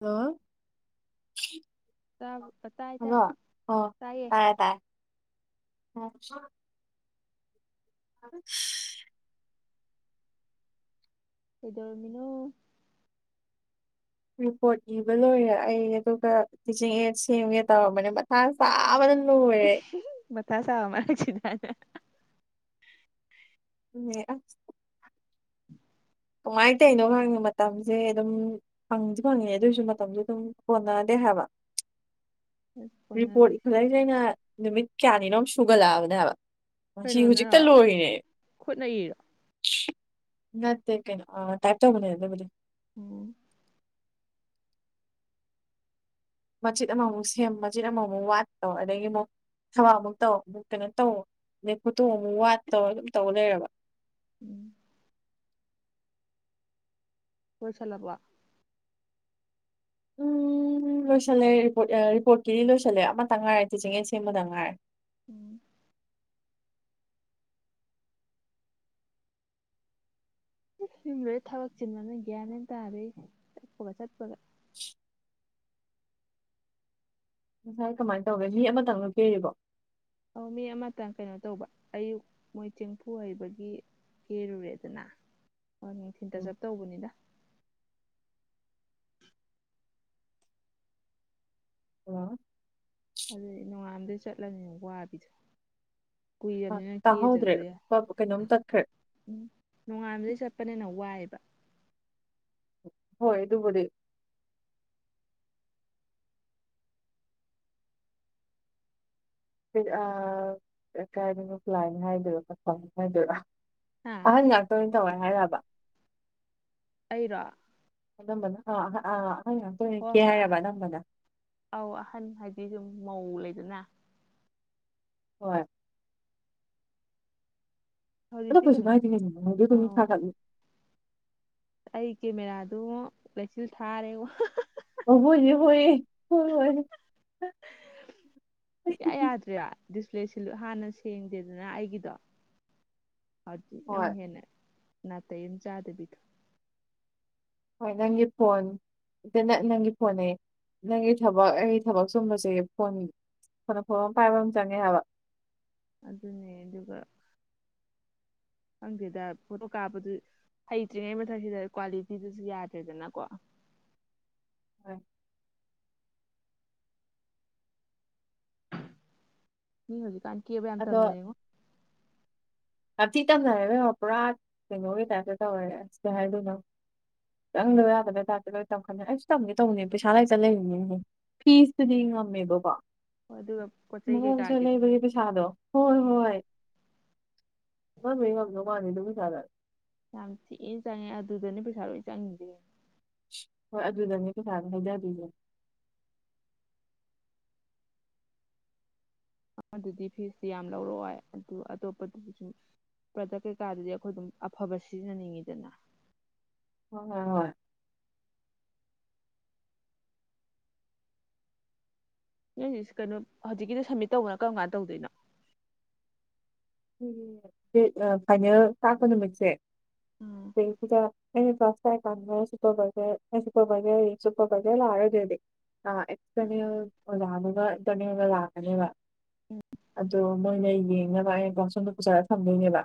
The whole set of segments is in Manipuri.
ꯑꯝ ꯇ ꯑꯇꯥꯏ ꯇ ꯇꯏꯌꯦ ꯑꯝ ꯑ ꯏꯗ ꯑꯣꯏꯔꯃꯤꯅꯣ ꯔꯤꯄꯣꯔꯠ ꯏꯕ ꯂꯣꯏꯔꯦ ꯑꯩ ꯑꯗꯨꯒ ꯇꯤꯆꯤꯡ ꯑꯦ ꯁꯦꯝꯒꯦ ꯇꯧꯔꯝꯕꯅꯦ ꯃꯊꯥ ꯆꯥꯕꯗ ꯃꯊ ꯁꯥꯕ ꯑꯃꯔ ꯆ ꯎ ꯀꯅꯨꯡꯉꯥꯏꯅ ꯇꯩꯅꯣ ꯈꯪꯉꯦ ꯃꯇꯝꯁꯦ ꯑꯗꯨꯝ ꯐꯪꯁꯨ ꯐꯪꯉꯦ ꯑꯗꯨꯑꯣꯏꯁꯨ ꯃꯇꯝꯁꯨ ꯑꯗꯨꯝ ꯀꯣꯟꯅꯦ ꯍꯥꯏꯕ ꯑꯁ ꯔꯤꯄꯣꯔꯠ ꯀꯣꯟꯅꯗꯦ ꯏꯈꯠꯂꯛꯏꯁ ꯑꯩꯅ ꯅꯨꯃꯤꯠ ꯀꯌꯥꯅꯤꯔꯣꯛ ꯁꯨꯒꯠꯂꯛꯑꯕꯅꯦꯕ ꯃꯁꯤ ꯍꯧꯖꯤꯛꯇ ꯀꯩꯅꯣꯅꯔꯣ ꯂꯣꯏꯔꯤꯅꯦꯦ ꯈꯨꯠꯅ ꯏꯔꯣ ꯀꯩꯅ ꯇꯥꯛꯇ ꯍꯅꯦ ꯍꯥꯏꯗꯕ ꯎꯝ ꯃꯆꯦꯠ ꯑꯃꯃꯨꯛ ꯁꯦꯝ ꯃꯆꯦꯠ ꯑꯃꯃꯨꯛ ꯋꯥꯠꯠꯇꯣ ꯑꯗꯒꯤ ꯑꯃꯨꯛ ꯊꯋꯥ ꯑꯃꯨꯛ ꯇꯧ ꯑꯃꯨꯛ ꯀꯩꯅꯣ ꯇꯧ ꯑꯗꯩ ꯐꯣꯇꯣꯛ ꯑꯃꯨꯛ ꯋꯥꯠꯇꯧꯔ ꯑꯗꯨꯝ ꯇꯧꯔ ꯂꯩꯔꯕ ꯎꯝ ꯍꯣꯏꯁꯂ ꯋꯥ [inaudible] ꯎꯝ ꯂꯣꯏꯁꯤꯜꯂꯦ ꯔꯤꯄꯣꯔꯠ ꯔꯤꯄꯣꯔꯠꯀꯤꯗꯤ ꯂꯣꯏꯁꯤꯜꯂꯦ ꯑꯃꯇꯪ ꯉꯥꯏꯔꯦ ꯇꯤꯆꯤꯡꯡꯂꯦꯟ ꯁꯦꯝꯕꯗ ꯉꯥꯏꯔꯦ ꯎꯝ ꯌꯨꯝ ꯂꯣꯏ ꯊꯕꯛ ꯆꯤꯟꯕꯅ ꯒ꯭ꯌꯥꯅꯦꯅ ꯇꯥꯔꯦ ꯆꯠꯄꯒ ꯆꯠꯄꯒ ꯉꯁꯥꯏ ꯀꯃꯥꯏꯅ ꯇꯧꯒꯦ ꯃꯤ ꯑꯃꯇꯪꯅ ꯄꯤꯔꯤꯕꯣ ꯑꯧ ꯃꯤ ꯑꯃꯇꯪ ꯀꯩꯅꯣ ꯇꯧꯕ ꯑꯌꯨꯛ ꯃꯣꯏ ꯆꯦꯡꯐꯨ ꯍꯩꯕꯒꯤ ꯀꯦꯔꯨꯔꯦꯗꯅ ꯍꯣꯏ ꯅꯨꯡꯊꯤꯟꯇ ꯎꯝ ꯆꯞ ꯇꯧꯕꯅꯤꯗ ꯑꯗꯨꯗꯤ ꯅꯣꯡꯉꯥꯝꯗꯩ ꯆꯠꯂꯅꯤꯅ ꯋꯥꯕꯤꯗꯣ ꯀꯨꯏꯔꯕꯅꯤꯅ ꯇꯥꯍꯧꯗ꯭ꯔꯦ ꯀꯦꯗꯗ ꯀꯩꯅꯣꯝ ꯇꯠꯈ꯭ꯔꯦ ꯎꯝ ꯅꯣꯡꯉꯥꯟꯕꯗ ꯆꯠꯄꯅꯤꯅ ꯋꯥꯏꯑꯕ ꯍꯣꯏ ꯇꯕꯨꯗꯤꯦ ꯀꯥꯏꯗꯅꯣꯥꯏꯅꯤ ꯍꯥꯏꯗꯣꯏꯔꯣ ꯍꯥꯏꯗꯣꯏꯔꯣ ꯍꯥ ꯑꯍ ꯂꯥꯛ ꯇ ꯇꯧꯋꯥꯔ ꯍꯥꯏꯔ ꯑꯩꯔꯥ ꯝꯕ ꯍꯣꯏ ꯍꯣꯏ ꯑ ꯑꯧ ꯑꯍꯟ ꯍꯥꯏꯗꯤ ꯁꯨꯝ ꯃꯧ ꯂꯩꯗꯅ ꯍꯣꯏ ꯑ ꯍꯧꯖꯤꯛꯇꯤ ꯀꯣꯏꯁꯨ ꯀꯩꯅꯣ ꯃꯥꯏꯗꯤꯅꯤ ꯃꯣꯏꯗꯤ ꯇ ꯑꯧ ꯆꯥ ꯈꯜ ꯑꯩ ꯀꯦꯃꯦꯔꯥꯗꯨ ꯂꯩꯁꯤꯜ ꯊꯥꯔꯦ ꯋꯥ ꯑꯣꯕꯨ ꯍ ꯁꯨꯡꯌꯥ ꯌꯥꯗ꯭ꯔꯦ ꯗꯤꯁꯄ꯭ꯂꯦꯁꯤ ꯍꯥꯟꯅ ꯁꯦꯡꯗꯦꯗꯅ ꯑꯩꯒꯤꯗꯣ ꯍꯧꯖꯤꯛ ꯅꯪ ꯍꯣꯏ ꯍꯦꯟꯅ ꯅꯥꯇꯩ ꯑꯃ ꯆꯥꯗꯕꯤꯗ ꯍꯣꯏ ꯅꯪꯒꯤ ꯐꯣꯟ ꯏꯇꯅ ꯅꯪꯒꯤ ꯐꯣꯟꯅꯦ ꯅꯪꯒꯤ ꯊꯕꯛ ꯑꯩꯒꯤ ꯊꯕꯛ ꯆꯨꯝꯕꯁꯦ ꯐꯣꯟ ꯐꯅ ꯐꯕ ꯑꯃ ꯄꯥꯏꯕ ꯑꯃ ꯆꯪꯉꯦ ꯍꯥꯏꯕ ꯑꯗꯨꯅꯦ ꯑꯗꯨꯒ ꯈꯪꯗꯦꯗ ꯐꯣꯇꯣ ꯀꯥꯞꯄꯗꯨ ꯍꯩꯇ꯭ꯔꯤꯉꯩ ꯃꯊꯛꯁꯤꯗ ꯀ꯭ꯋꯥꯂꯤꯇꯤꯗꯨꯁꯨ ꯌꯥꯗ꯭ꯔꯦꯗꯅꯀꯣ ꯎꯝ ꯃꯤ ꯍꯧꯖꯤꯛꯀꯥꯟ ꯀꯦꯕ ꯌꯥꯝ ꯇꯝꯅꯔ ꯌꯦꯉꯣ ꯍꯥꯞꯆꯤ ꯇꯝꯅꯔꯦꯕ ꯄꯨꯔꯥ ꯀꯩꯅꯣꯒꯤ ꯇꯥꯏꯇ ꯇꯧꯋꯔꯦ ꯑꯁꯦ ꯍꯥꯏꯗꯣꯏꯅꯣ ꯆꯪꯗꯕ ꯌꯥꯗꯕꯩ ꯇꯥꯏꯞꯇ ꯂꯣꯏ ꯇꯝꯈꯠꯅꯤ ꯑꯩꯁꯨ ꯇꯝꯒꯦ ꯇꯧꯅꯦ ꯄꯩꯁꯥ ꯂꯩꯇꯅ ꯂꯩꯔꯤꯅꯤꯅꯦ ꯐꯤꯁꯇꯨꯗꯤ ꯉꯝꯃꯦꯕꯀꯣ ꯑꯗꯨꯒ ꯄꯣꯠ ꯃ ꯆꯩ ꯆ ꯀꯩꯀꯥꯒꯤꯗꯣ ꯂꯩꯕꯗꯤ ꯁꯥꯗ ꯍꯣꯏ ꯍꯣꯏ ꯃꯥ ꯃ ꯉꯗ ꯃꯥꯅꯤꯗꯃꯤ ꯆꯗ ꯌꯥꯝ ꯊꯤꯏꯅ ꯆꯪꯉꯦ ꯑꯗꯨꯗꯅꯤ ꯄꯩꯁꯥ ꯂꯣꯏ ꯆꯪꯗ ꯍꯣꯏ ꯑꯗꯨꯗꯅꯦ ꯄꯩꯁꯥꯅ ꯍꯥꯏꯖꯗꯣꯏꯁꯦ ꯑꯗꯨꯗꯤ ꯐꯤꯁꯇꯤ ꯌꯥꯝ ꯂꯧꯔꯛꯑꯣꯏ ꯑꯗꯨ ꯑꯇꯣꯞꯄꯗꯨꯗꯤ ꯁꯨꯝ ꯄ꯭ꯔꯗꯛ ꯀꯩꯀꯥꯗꯨꯗꯤ ꯑꯩꯈꯣꯏ ꯑꯗꯨꯝ ꯑꯐꯕ ꯁꯤꯖꯤꯟꯅꯅꯤꯡꯉꯤꯗꯅ ꯍ ꯍꯣꯏ ꯅ ꯀꯩꯅꯣ ꯍꯧꯖꯤꯛꯀꯤꯗꯤ ꯁꯝꯃꯤꯠ ꯇꯧꯕꯅ ꯀꯔꯝ ꯀꯥꯟꯅ ꯇꯧꯗꯣꯏꯅꯣ ꯐꯥꯏꯅꯦꯜ ꯇꯥꯛꯄ ꯅꯨꯃꯤꯠꯁꯦ ꯎꯝ [unintelligible] ꯥꯏ ꯀꯃꯦ ꯁꯤꯨꯄꯕꯒꯦ ꯁꯤꯛꯕꯒꯦ ꯆꯨꯄꯕꯒꯂ ꯑꯔꯗꯦꯗꯤ ꯑ ꯎꯝ ꯑꯦꯅ ꯑꯣꯅ ꯟꯇꯔꯅꯦꯒ ꯂꯥꯛꯀꯅꯦꯕ ꯑꯣ ꯃꯣꯏꯅ ꯌꯦꯡꯅꯕ ꯑ ꯕꯥꯎꯁꯣꯟꯗꯣ ꯄꯨꯁꯔꯒ ꯊꯝꯗꯣꯏꯅꯦꯕ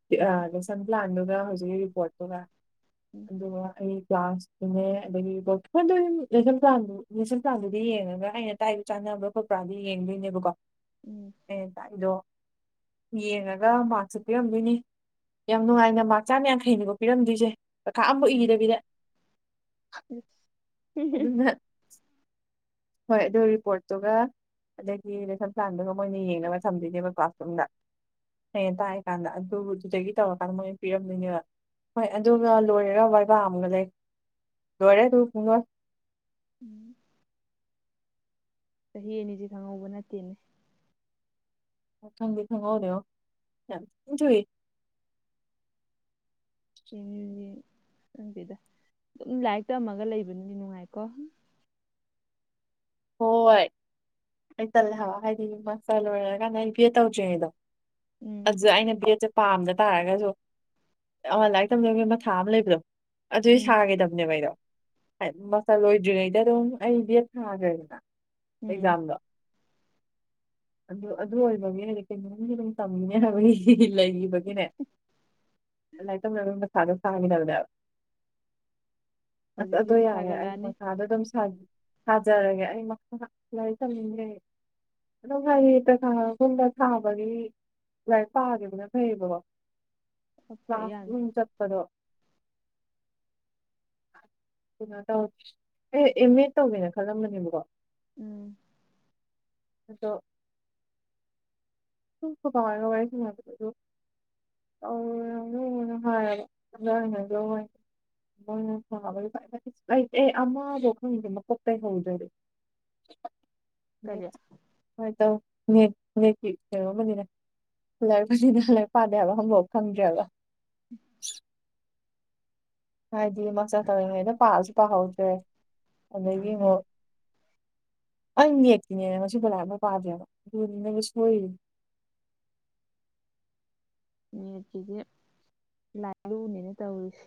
ꯎꯝ ꯂꯦꯁꯟ ꯄ꯭ꯂꯥꯟꯗꯨꯒ ꯍꯧꯖꯤꯛꯀꯤ ꯔꯤꯄꯣꯔꯠꯇꯨꯒ ꯎꯝ ꯑꯗ ꯑꯩ ꯥꯁꯇꯨꯅꯦ ꯑꯗꯒꯤꯕꯗꯁꯁꯝꯊꯥꯟꯗꯨꯗꯤ ꯌꯦꯡꯉꯒ ꯑꯩꯅ ꯇꯥꯏꯕ ꯆꯥꯟ ꯕ꯭ꯔ ꯈꯣꯠꯄ꯭ꯔꯥꯗꯤ ꯌꯦꯡꯗꯣꯏꯅꯦꯕꯀꯣ ꯎꯝ ꯑꯦ ꯇꯗꯣ ꯌꯦꯡꯉꯒ ꯃꯥꯔꯛꯁꯨ ꯄꯤꯔꯝꯗꯣꯏꯅꯤ ꯌꯥꯝ ꯅꯨꯡꯉꯥꯏꯅ ꯃꯥꯥꯛ ꯆꯥ ꯌꯥꯡꯈꯩꯅꯤꯀꯣ ꯄꯤꯔꯝꯗꯣꯏꯁꯦ ꯀꯩꯈꯥ ꯑꯃ ꯏꯗꯕꯤꯗ ꯎꯝ ꯑꯗꯨꯅ ꯍꯣꯏ ꯑꯗꯨ ꯔꯤꯄꯣꯔꯠꯇꯨꯒ ꯑꯗꯒꯤ ꯂꯩꯐꯝ ꯄ꯭ꯂꯥꯟꯗꯨꯒ ꯃꯣꯏꯅ ꯌꯦꯡꯅꯕ ꯊꯝꯗꯣꯏꯅꯦꯕꯀꯣ ꯁꯨꯝꯗ ꯍꯌꯦꯡ ꯇꯥꯛꯑꯀꯥꯟꯗ ꯑꯗꯨꯗꯨꯗꯒꯤ ꯇꯧꯔꯀꯥꯟꯗ ꯃꯣꯏꯅ ꯄꯤꯔꯝꯗꯣꯏꯅꯦꯕ ꯍꯣꯏ ꯑꯗꯨꯒ ꯂꯣꯏꯔꯔ ꯋꯥꯏꯕꯥ ꯑꯃꯒ ꯂꯩ ꯂꯣꯏꯔꯦ ꯑꯗꯨ ꯄꯨꯡ ꯂꯣꯏ ꯎꯝ ꯆꯍꯤ ꯑꯅꯤꯁꯤ ꯈꯪꯍꯧꯕ ꯅꯠꯇꯦꯅꯦ ꯊꯪꯕꯤ ꯊꯪꯉ ꯑꯣꯏꯗꯣꯨꯏ ꯌꯦ ꯕꯤꯗ ꯑꯗꯨꯝ ꯂꯥꯏꯔꯤꯛ ꯇꯝꯃꯒ ꯂꯩꯕꯅꯗꯤ ꯅꯨꯡꯉꯥꯏꯀꯣ ꯍꯣꯏ ꯑꯩ ꯆꯦ ꯍꯥꯏꯗꯤ ꯃꯥꯁꯇꯔ ꯂꯣꯏꯔꯀꯥꯟꯗ ꯑꯩ ꯕꯤ ꯑꯦ ꯇꯧꯗ꯭ꯔꯤꯉꯩꯗꯣ ꯎꯝ ꯑꯗꯨ ꯑꯩꯅ ꯆ ꯄꯥꯝꯗ ꯇꯥꯔꯒꯁꯨ ꯑ ꯂꯥꯏꯔꯤꯛ ꯇꯝꯖꯕꯒꯤ ꯃꯊꯥ ꯑꯃ ꯂꯩꯕꯗꯣ ꯑꯗꯨꯏ ꯎꯝ ꯁꯥꯒꯗꯕꯅꯦꯕ ꯑꯩꯗꯣ ꯃꯁ ꯂꯣꯏꯗ꯭ꯔꯤꯉꯩꯗ ꯑꯗꯨꯝ ꯑꯩ ꯠ ꯊꯥꯈ꯭ꯔꯦꯗꯅ ꯎꯝ ꯑꯦꯛꯖꯥꯝꯗꯣ ꯑꯗꯨ ꯑꯗꯨ ꯑꯣꯏꯕꯒꯤꯗꯤ ꯀꯩ ꯇꯝꯃꯤꯅꯦ ꯍꯥꯏꯕꯒꯤ ꯂꯩꯔꯤꯕ ꯏꯅꯦ ꯑꯦꯏꯇ ꯂꯗꯗꯕ ꯑꯁ ꯍꯧꯖꯤꯛꯁꯤ ꯑꯗꯨ ꯌꯥꯔꯦ ꯑꯩ ꯁꯥꯒꯠꯂꯛꯑꯅꯤ ꯃꯈꯥꯗ ꯑꯗꯨꯝ ꯁꯥꯖꯔꯒꯦ ꯃ ꯌꯥ ꯆꯖꯦ ꯑꯗꯨꯝ ꯍꯥꯏꯌꯦ ꯇꯈꯥꯒꯨꯝꯕ ꯊꯥꯕꯒꯤ ꯂꯥꯏꯔꯤꯛ ꯄꯥꯈꯤꯕꯕꯅ ꯐꯩꯌꯦꯕꯀꯣ ꯈꯔ ꯋꯥꯁ ꯐꯔꯛ ꯌꯥꯅꯤ ꯆꯈꯗꯣ [inaudible] ꯀꯩꯅꯣ ꯇ ꯑꯦ ꯑꯦꯝ ꯑꯦ ꯇꯧꯒꯦꯅ ꯈꯜꯂꯝꯕꯅꯦꯕꯀꯣ ꯎꯝ ꯑꯗꯣ ꯔ ꯑꯣꯏ ꯑꯅ ꯍꯥꯏ ꯂ ꯃꯣꯏꯅꯕ ꯑꯃꯕꯨ ꯈꯪꯗꯦ ꯃꯀꯣꯛꯇꯩ ꯍꯧꯗꯔꯦ ꯀꯔꯤ ꯍꯣꯏ ꯇꯧ [unintelligible] ꯀꯩꯨꯝꯕꯅꯤꯅ ꯂꯥꯏꯔꯕꯅꯤꯅ ꯂꯥꯏꯛ ꯄꯥꯗꯩꯕ ꯍꯪꯐ ꯐꯪꯗ꯭ꯔꯦꯕ ꯎꯝ ꯍꯥꯏꯗꯤ ꯃꯛꯆꯥ ꯇꯧꯔꯤꯉꯩꯗ ꯄꯥꯜꯂꯁꯨ ꯄꯥꯍꯧꯗ꯭ꯔꯦ ꯑꯗꯒꯤ ꯎꯝ ꯑꯃꯨꯛ ꯑꯩ ꯅꯛꯇꯤꯅꯦꯅꯦ ꯉꯕꯨꯂꯥꯞ ꯑꯃ ꯄꯥꯗꯦꯕ ꯑꯗꯨꯅꯤ ꯅꯪꯕꯨ ꯁꯣꯏꯔꯤꯅꯦ [inaudible] ꯃꯦꯠꯀꯤꯁꯦ ꯂꯥꯏꯔꯨꯅꯦꯅ ꯇꯧꯔꯤꯁꯦ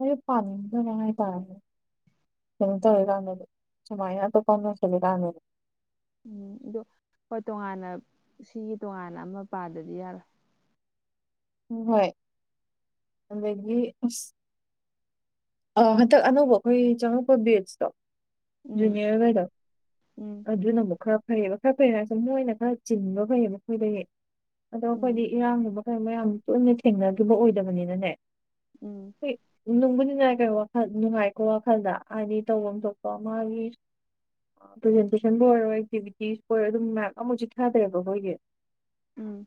ꯑꯗꯨ ꯄꯥꯅꯤꯟꯉꯥꯏ ꯇꯔꯦ ꯀꯝꯇꯧꯔꯤ ꯀꯥꯟꯗꯗꯤ ꯁꯨꯃꯥꯏꯅ ꯑꯗꯨ ꯐꯅꯁꯤꯜꯂꯤ ꯀꯥꯟꯗꯅꯦ ꯎꯝ ꯑ ꯍꯣꯏ ꯇꯣꯉꯥꯟꯅ ꯁꯤꯒꯤ ꯇꯣꯉꯥꯟꯅ ꯑꯃ ꯄꯥꯗꯗꯤ ꯌꯥꯔꯣꯏ ꯍꯣꯏ ꯑꯗꯒꯤ ꯑ ꯍꯟꯗꯛ ꯑꯅꯧꯕ ꯑꯩꯈꯣꯏ ꯆꯉꯛꯄ ꯕꯤꯁꯇꯣ ꯎꯝ ꯖꯨꯅꯤꯌꯔꯗ ꯎꯝ ꯑꯗꯨꯅꯔ ꯐꯩꯌꯦꯕ ꯈꯔ ꯐꯩꯔ ꯁꯨꯝ ꯅꯣꯏꯅ ꯈꯔ ꯆꯤꯟꯕ ꯐꯩꯌꯦ ꯃꯈꯣꯏꯗꯒꯤ ꯑꯗꯣ ꯑꯩꯈꯣꯏꯗꯤ ꯎꯝ ꯏꯔꯥꯡ ꯅꯨꯕ ꯍꯣꯏ ꯃꯌꯥꯝ ꯄꯨꯣꯏꯅ ꯊꯦꯡꯅꯈꯤꯕ ꯑꯣꯏꯗꯕꯅꯤꯅꯅꯦ ꯎꯝ ꯅꯨꯡꯕꯨ ꯅꯨꯡꯉꯥꯏ ꯀꯩ ꯋꯥꯈꯜ ꯅꯨꯡꯉꯥꯏꯀꯣ ꯋꯥꯈꯜꯗ ꯍꯥꯏꯗꯤ ꯇꯧꯐꯝ ꯊꯣꯛꯄ ꯃꯥꯒꯤ ꯄ꯭ꯔꯖꯦꯟꯇꯦꯁꯟꯕꯨ ꯑꯣꯏꯔꯣ ꯑꯦꯛꯇꯤꯚꯤꯇꯤꯁꯕꯨ ꯑꯣꯏꯔꯣ ꯑꯗꯨꯝ ꯃꯌꯥꯝ ꯑꯃꯖꯤꯛ ꯊꯥꯗꯔꯦꯕ ꯑꯩꯈꯣꯏꯒꯤ ꯎꯝ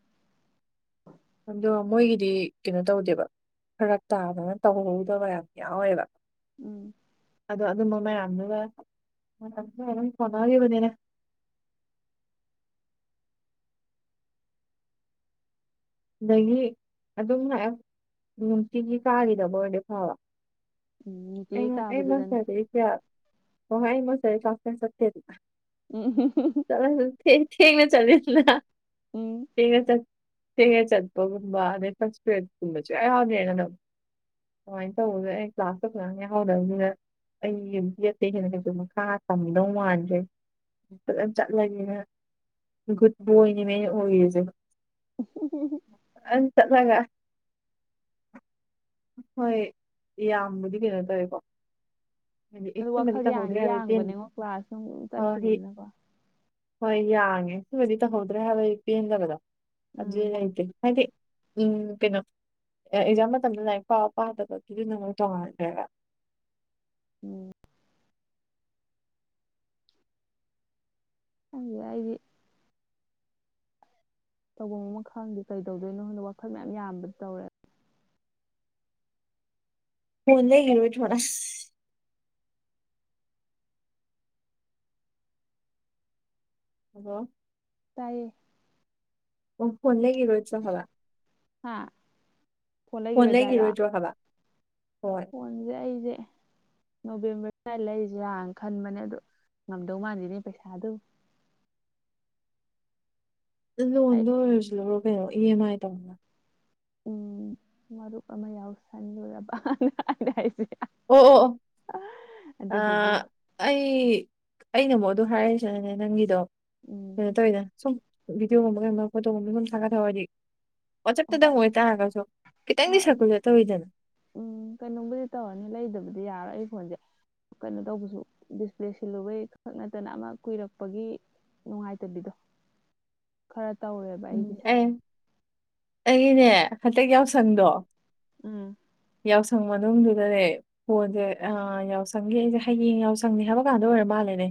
ꯑꯗꯣ ꯃꯣꯏꯒꯤꯗꯤ ꯀꯩꯅꯣ ꯇꯧꯗꯦꯕ ꯈꯔ ꯇꯥꯗꯅ ꯇꯧꯍꯧꯗꯕ ꯌꯥꯝ ꯌꯥꯎꯋꯦꯕ ꯎꯝ ꯑꯗꯣ ꯑꯗꯨꯝꯕ ꯃꯌꯥꯝꯗꯨꯒ ꯃꯌꯥꯝꯗꯨꯒ ꯑꯗꯨꯝ ꯐꯣꯟꯅꯈꯤꯕꯅꯤꯅꯦ [unintelligible] ꯑꯗꯒꯤ ꯑꯗꯨꯝ ꯉ ꯅꯨꯡꯇꯤꯒꯤ ꯀꯥꯈꯤꯗꯕ ꯑꯣꯏꯔꯗꯤ ꯐꯕ ꯎꯝ ꯅꯨꯡꯇꯤꯒꯤ ꯀꯥꯕꯗꯨꯗꯅꯦ ꯃꯁꯔꯤ ꯏꯃꯁꯔꯤ ꯆ ꯁꯠꯇꯗꯤ [unintelligible] ꯊꯦꯡꯅ ꯆꯠꯂꯦꯗꯅ ꯎꯝ ꯊꯦꯡꯅ ꯆꯠ ꯊꯦꯡꯉ ꯆꯠꯄꯒꯨꯝꯕ ꯅ ꯐꯁꯀꯔꯤ ꯀꯨꯝꯕꯁꯨ ꯌꯥꯎꯅꯅꯦꯅꯅ ꯑꯗꯨꯃꯥꯏꯅ ꯇꯧꯕꯗ ꯑꯩ ꯀ꯭ꯂꯥꯁꯇ ꯐꯖꯥꯡ ꯌꯥ ꯍꯧꯗꯕꯅꯤꯗ ꯑꯩ ꯌ ꯑꯇꯩ ꯍꯦꯟꯅ ꯀꯩꯁꯨ ꯃꯈꯥ ꯇꯝꯗꯧ ꯃꯥꯟꯖ꯭ꯔꯩ ꯐꯖꯅ ꯆꯠꯂꯒꯦꯅ ꯒꯨꯗ ꯕꯣꯏꯅꯤ ꯃꯩꯅ ꯑꯣꯏꯔꯤꯁꯦ ꯑꯩ ꯆꯠꯂꯒ ꯍꯣꯏ ꯌꯥꯝꯕꯨꯗꯤ ꯀꯩꯅꯣ ꯇꯧꯋꯦꯀꯣ ꯑꯗꯨ ꯑꯦꯁꯤ ꯋꯥꯈꯜ ꯃꯔꯤꯛꯇ ꯐꯒꯔꯦ ꯌꯥꯡꯗꯤ ꯌꯥꯡꯕꯅꯦꯉꯣ ꯀ꯭ꯂꯥꯁ ꯅꯨꯡ ꯍꯥꯏꯋꯥꯗꯤ ꯆꯠꯈꯤꯕꯗꯨꯅꯀꯣ ꯍꯣꯏ ꯌꯥꯡꯉꯦ ꯁꯤꯕꯨꯗꯤ ꯇꯧꯍꯧꯗ꯭ꯔꯦ ꯍꯥꯏꯕꯒꯤ ꯄꯦꯟꯗꯕꯗꯣ ꯑꯗꯨꯗꯤ ꯎꯝ ꯂꯩꯇꯦ ꯍꯥꯏꯗꯤ ꯎꯝ ꯀꯩꯅꯣ ꯑꯦꯛꯖꯥꯝ ꯃꯇꯝꯗ ꯂꯥꯏꯔꯤꯛ ꯄꯥꯕ ꯄꯥꯗꯕꯒꯤꯗꯨ ꯅꯉ ꯇꯣꯡꯉꯥꯟꯗ꯭ꯔꯦꯕ ꯎꯝ ꯍꯦ ꯍꯥꯏꯗꯤ ꯇꯐꯝ ꯃꯈ ꯈꯪꯗꯦ ꯀꯩꯗꯧꯗꯣꯏꯅꯣ ꯍꯣꯟꯗ ꯋꯥꯈꯜ ꯃꯌꯥꯝ ꯌꯥꯝꯕ ꯇꯧꯔꯦ ꯍꯗ ꯌꯦꯔꯃꯤ ꯊꯔ ꯑꯗꯣ ꯇꯥꯏꯌꯦ ꯑꯣ ꯐꯣꯣꯟꯅꯒꯦꯂꯣ ꯆ ꯍꯋꯥ ꯍꯥ ꯐꯣꯟ ꯂꯩꯈꯤꯔꯣꯏꯗ꯭ꯔꯥ ꯍꯥꯏꯔꯣ ꯂꯩꯒꯔꯣꯏꯗꯨꯣ ꯍꯕ ꯐꯣꯟꯁꯦ ꯑꯩꯁꯦ ꯅꯣꯕꯦꯝꯕꯔ ꯁꯋꯥꯏꯗ ꯂꯩꯔꯤꯁꯔꯥꯅ ꯈꯟꯕꯅꯦ ꯑꯗꯣ ꯉꯝꯗꯧ ꯃꯥꯥꯟꯜꯂꯤꯅꯦ ꯄꯩꯁꯥ ꯑꯗꯨ ꯑꯩ ꯂꯣꯟꯗꯣ ꯑꯣꯏꯔꯁꯨ ꯂꯧꯔꯣ ꯀꯩꯅꯣ ꯏ ꯑꯦꯝ ꯑꯥꯏ ꯇꯧꯅ ꯎꯝ ꯃꯔꯨꯞ ꯑꯃ ꯌꯥꯎꯁꯟꯂꯨꯔꯕꯅ ꯍꯥꯏꯅ ꯍꯥꯏꯁꯦ ꯑꯣ ꯑꯣ ꯑ ꯑꯗꯨꯗꯨꯒꯤ ꯑꯩ ꯑꯩꯅꯕꯨꯛ ꯑꯗꯨ ꯍꯥꯏꯔꯔꯤꯁꯤꯅꯅꯦ ꯅꯪꯒꯤꯗꯣ ꯎꯝ ꯀꯩꯅꯣ ꯇꯧꯋꯤꯅꯦ ꯁꯨꯝ ꯚꯗꯤꯑꯣꯒꯨꯝꯕ ꯀꯩꯨꯝꯕ ꯐꯣꯇꯣꯒꯨꯝꯕꯒ ꯁꯨꯝ ꯁꯥꯒꯠꯍꯕꯑꯣ ꯍꯥꯏꯗꯤ ꯍꯣꯏ ꯋꯥꯆꯞꯇꯗꯪ ꯑꯣꯏꯇꯥꯥꯔꯒꯁꯨ ꯈꯤꯇꯪꯗꯤ ꯍꯣꯏ ꯁꯛꯀꯨꯁꯦ ꯇꯧꯋꯤꯗꯅ ꯎꯝ ꯀꯩꯅꯣꯝꯕꯨꯗꯤ ꯇꯧꯔꯅꯤ ꯂꯩꯗꯕꯗꯤ ꯌꯥꯔꯣꯏ ꯑꯩ ꯐꯣꯟꯁꯦ ꯀꯩꯅꯣ ꯇꯧꯕꯁꯨ ꯗꯤꯁꯄ꯭ꯂꯦ ꯁꯤꯜꯂꯨꯕꯩ ꯈꯛ ꯅꯠꯇꯅ ꯑꯃ ꯀꯨꯏꯔꯛꯄꯒꯤ ꯅꯨꯡꯉꯥꯏꯇꯕꯤꯗꯣ ꯈꯔ ꯇꯧꯋꯦꯕ ꯑꯩꯒꯤꯁꯦ ꯑꯩꯅꯦ ꯍꯟꯇꯛ ꯌꯥꯎꯁꯪꯗꯣ ꯎꯝ ꯌꯥꯎꯁꯪ ꯃꯅꯨꯡꯗꯨꯗꯅꯦ ꯐꯣꯟꯁꯦ ꯑ ꯌꯥꯎꯁꯪꯒꯤ ꯑꯩꯁꯦ ꯍꯌꯦꯡ ꯌꯥꯎꯁꯪꯅꯤ ꯍꯥꯏꯕꯀꯥꯟꯗ ꯑꯣꯏꯔ ꯃꯥꯜꯂꯦꯅꯦ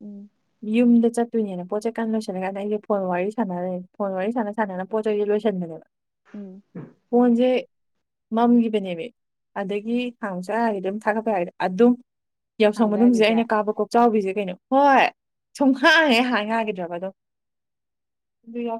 ꯎꯝ ꯌꯨꯝꯗ ꯆꯠꯇꯣꯏꯅꯦꯅ ꯄꯣꯠ ꯆꯩꯩꯀꯥꯟ ꯂꯣꯏꯁꯜꯂꯀꯥꯟꯗ ꯑꯩꯁꯦ ꯐꯣꯟ ꯋꯥꯔꯤ ꯁꯥꯟꯅꯔꯦꯅꯦ ꯐꯣꯟ ꯋꯥꯔꯤꯥꯟꯅꯥꯟꯅ ꯄꯣꯠ ꯆꯩꯁ ꯂꯣꯏꯁꯟꯕꯅꯦꯕ ꯎꯝ ꯃꯝꯈꯤꯕꯅꯦꯕ ꯑꯗꯒꯤ ꯍꯥꯡ ꯆꯥꯒꯗꯤ ꯑꯗꯨꯝ ꯊꯥꯒꯠꯄ ꯍꯥꯏꯒꯗꯤ ꯑꯗꯨꯝ ꯌꯥꯎꯁꯪ ꯍꯥꯡꯕ ꯃꯅꯨꯡꯁꯦ ꯌꯥꯈꯤꯗ꯭ꯔꯦ ꯑꯩꯅ ꯀꯥꯕ ꯀꯣꯛꯆꯥꯎꯕꯤꯁꯦ ꯀꯩꯅꯣ ꯍꯣꯏ ꯁꯨꯝ ꯍꯥꯡꯉꯦ ꯍꯥꯟꯅ ꯉꯈꯤꯗ꯭ꯔꯕ ꯑꯗꯣ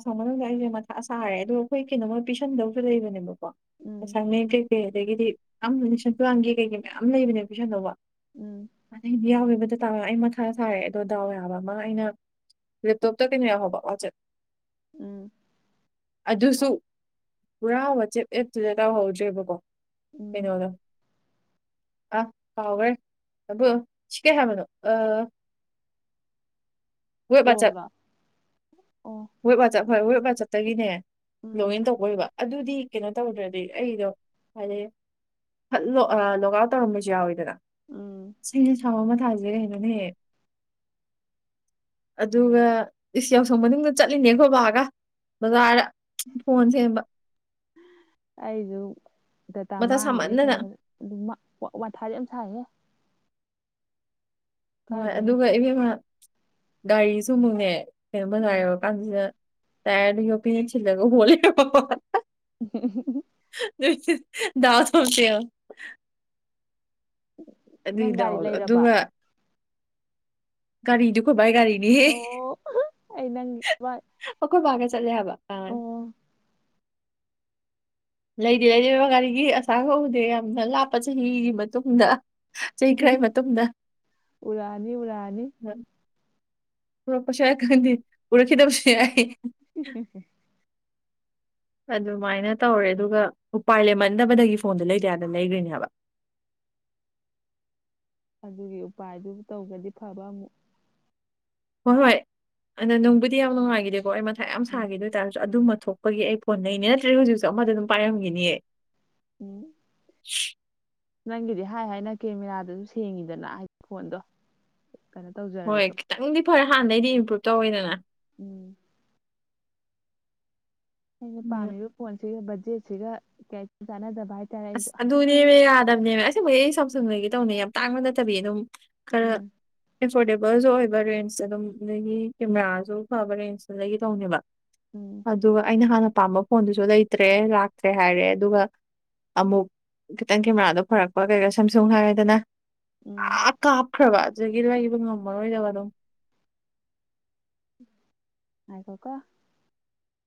ꯃꯅꯨꯡꯗ ꯑꯩꯁꯦ ꯃꯊꯥ ꯁꯥꯔꯦ ꯑꯗꯣ ꯑꯩꯈꯣꯏ ꯀꯩꯅꯣꯃ ꯄꯤꯤꯁꯟꯗꯕꯁꯨ ꯂꯩꯕꯅꯦꯕꯀꯣ ꯎꯝ ꯑꯦꯁꯥꯏꯟꯃꯦꯟ ꯀꯩ ꯦ ꯑꯗꯒꯤꯗꯤ ꯑ ꯁ ꯇꯥꯟꯒꯦ ꯀꯩꯀꯩ ꯃꯌꯥꯝ ꯂꯩꯕꯅꯦ ꯄꯁ ꯑꯅꯧꯕ ꯎꯝ ꯑꯗꯒꯤꯗꯤ ꯌꯥꯎꯋꯦ ꯇꯥ ꯑꯩ ꯃꯊꯥ ꯁꯥꯔꯛꯑꯦꯗꯣ ꯗꯥꯎꯋꯦ ꯍꯥꯏꯕ ꯑꯃ ꯑꯩꯅ ꯦꯞꯇꯞꯇꯗꯤꯅꯦ ꯍꯕ ꯋꯥꯆꯦ ꯎꯝ ꯑꯗꯨꯁꯨ ꯄꯨꯔꯥ ꯋꯥꯆꯦꯞ ꯑꯦꯞꯇꯨꯗ ꯇꯧꯍꯧꯗ꯭ꯔꯦꯕꯀꯣ ꯀꯩꯅ ꯎꯝ ꯑꯣꯗ ꯑ ꯐꯥꯎꯔꯦ ꯑꯗꯨꯕꯣ ꯁꯤ ꯀꯩ ꯍꯥꯏꯕꯅꯣ ꯑ [unintelligible] ꯔꯣꯕ ꯑꯣ ꯆ ꯐꯣꯏ ꯍꯣꯏ ꯕꯥ ꯆꯠꯇꯒꯤꯅꯦ ꯂꯣꯒ ꯎꯝ ꯏꯟ ꯇꯧꯕꯣꯏꯕ ꯑꯗꯨꯗꯤ ꯀꯩꯅꯣ ꯇꯧꯗ꯭ꯔꯗꯤ ꯑꯩꯗꯣ ꯍꯥꯏꯔꯛꯑꯦ ꯂꯣꯛ ꯑꯥꯎꯠ ꯇꯧꯔꯝꯕꯁꯨ ꯌꯥꯎꯋꯤꯗꯅ ꯎꯝ ꯁꯤꯁ ꯁꯥꯎ ꯊꯥꯁꯦ ꯀꯩꯅꯣꯅꯦꯍꯦ ꯑꯗꯨꯒ ꯏꯁ ꯌꯥꯎꯁꯪ ꯃꯅꯨꯡꯗ ꯆꯠ ꯅꯒꯣꯕꯒ ꯕꯖꯔ ꯑꯩꯁꯨ ꯗꯇꯥ ꯃꯊꯥ ꯃꯥꯡꯒꯦꯅꯦ ꯁꯥꯃꯟꯗꯅ ꯈꯟꯕꯗ ꯑꯗꯨꯝ ꯋꯥꯟꯊꯥꯗꯤ ꯌꯥꯝ ꯁꯥꯏꯌꯦꯦ ꯍꯣꯏ ꯀꯥꯏꯗꯩꯅꯣ ꯑꯗꯨꯒ ꯏꯕꯦꯝꯃ ꯒꯥꯔꯤꯁꯨ ꯑꯃꯨꯛꯅꯦ ꯀꯩꯅꯣꯃ ꯂ ꯎꯝ ꯌꯨꯔ ꯀꯥꯟꯁꯤꯗ ꯇꯥꯏꯗꯤ ꯄꯤꯒ ꯍꯣ ꯝ ꯗ ꯍꯁ ꯅꯪ ꯒꯥꯔꯤ ꯑꯗꯨꯏꯗꯥꯑꯣꯣ ꯂꯩꯔꯕ ꯑꯗꯨꯒ ꯔꯤꯅꯤꯗꯨ ꯈꯣꯏꯕꯥ ꯔꯤꯅꯤ ꯑꯣ ꯑꯩ ꯅꯪꯒꯤ ꯑꯣ ꯈꯣꯏꯕꯒ ꯆꯗꯦꯕ ꯀꯥ ꯑꯣ ꯂꯩꯗꯤ ꯂꯩꯔꯕ ꯒꯥꯔꯤꯒꯤ ꯑꯁꯥ ꯀꯧꯗꯦ ꯌꯥꯝꯅ ꯂꯥꯞꯄ ꯆꯍꯤꯒꯤ ꯃꯇꯨꯡꯗ ꯆꯍꯤ ꯈꯔꯒꯤ ꯃꯇꯨꯡꯗ ꯎꯔꯛꯑꯅꯤ ꯎꯔꯛꯑꯅꯤ ꯎ ꯄꯨꯔꯛꯄꯁꯥꯏ ꯈꯪꯗꯤ ꯄꯨꯔꯈꯤꯗꯕꯁꯨ ꯌꯥꯏ ꯎ ꯑꯗꯨꯃꯥꯏꯅ ꯇꯧꯔꯦ ꯑꯗꯨꯒ ꯎꯄꯥꯏ ꯂꯩꯃꯟꯗꯕꯗꯒꯤ ꯐꯣꯟꯗꯣ ꯂꯩꯇꯌꯥꯗꯅ ꯂꯩꯈ꯭ꯔꯤꯅꯦꯕ ꯑꯗꯨꯒꯤ ꯎꯄꯥꯏꯗꯨ ꯇꯧꯒꯗꯤ ꯐꯕ ꯑꯃꯨꯛ ꯍꯣꯏ ꯍꯣꯏ ꯑꯗ ꯅꯅꯨꯡꯕꯨꯗꯤ ꯌꯥꯝ ꯅꯨꯡꯉꯥꯏꯈꯤꯗꯦꯀꯣ ꯑꯩ ꯃꯊꯥꯏ ꯌꯥꯝ ꯎꯝ ꯁꯥꯈꯤꯗ ꯑꯣꯏꯇꯥꯔꯁꯨ ꯑꯗꯨ ꯊꯣꯛꯄꯒꯤ ꯑꯩ ꯐꯣꯟ ꯂꯩꯩꯅꯦ ꯅꯠꯇ꯭ꯔ ꯍꯧꯖꯤꯛꯁꯨ ꯑꯃꯗ ꯑꯗꯨꯝ ꯄꯥꯏꯔꯝꯒꯅꯦꯌꯦ ꯎꯝ ꯅꯪꯒꯤꯗꯤ ꯍꯥꯏ ꯍꯥꯏꯅ ꯀꯦꯃꯦꯔꯥꯗꯨꯁꯨ ꯁꯦꯡꯉꯤꯗꯅ ꯍꯥꯏꯗꯤ ꯐꯣꯟꯗꯣ ꯀꯩꯅꯣ ꯇꯧꯖꯔꯁꯨ ꯐꯔ ꯍꯥꯟꯅꯩꯗꯤ ꯏꯝꯄ꯭ꯔꯨꯨꯞ ꯇꯧꯋꯦꯗꯅ ꯎꯝ ꯑꯩꯅ ꯎꯝ ꯄꯥꯝꯃꯤꯕ ꯐꯣꯟꯁꯤꯒ ꯕꯖꯦꯠꯁꯤꯒ ꯀꯌꯥ ꯆꯥꯟꯅꯗꯕ ꯍꯥꯏꯇꯥꯔꯦ ꯑꯁ ꯑꯩꯁꯨ ꯑꯗꯨꯅꯦꯕ ꯌꯥꯗꯕꯅꯦꯕ ꯑꯁꯦꯡꯕ ꯑꯩ ꯁꯝ ꯁꯨꯡꯅꯒꯤ ꯇꯧꯅꯦ ꯌꯥꯝ ꯇꯥꯡꯕ ꯅꯠꯇꯕꯤ ꯑꯗꯨꯝ ꯈꯔ ꯎꯝ ꯑꯦꯐꯣꯔꯗꯦꯕꯜꯁꯨ ꯑꯣꯏꯕ ꯔꯦꯟꯁ ꯑꯗꯨꯝ ꯑꯒꯤ ꯀꯦꯃꯦꯔꯥꯁꯨ ꯐꯕ ꯔꯦꯟꯁꯇꯨꯗꯒꯤ ꯇꯧꯅꯦꯕ ꯎꯝ ꯑꯗꯨꯒ ꯑꯩꯅ ꯍꯥꯟꯅ ꯄꯥꯝꯕ ꯐꯣꯟꯗꯨꯁꯨ ꯂꯩꯇ꯭ꯔꯦ ꯂꯥꯛꯇ꯭ꯔꯦ ꯍꯥꯏꯔꯦ ꯑꯗꯨꯒ ꯑꯃꯨꯛ ꯈꯤꯇꯪ ꯀꯦꯃꯦꯔꯥꯗꯣ ꯐꯔꯛꯄ ꯀꯩꯀꯥ ꯁꯦꯝꯝꯁꯨꯡ ꯍꯥꯏꯔꯗꯅ ꯎꯝ ꯑ ꯀꯥꯞꯈ꯭ꯔꯕ ꯖꯒꯤ ꯋꯥꯒꯤꯕ ꯉꯝꯃꯔꯣꯏꯗꯕ ꯑꯗꯨꯝ ꯍꯥꯏ ꯀꯣꯀ